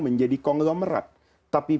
menjadi konglomerat tapi